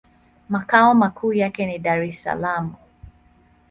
Makao makuu yake ni Dar-es-Salaam.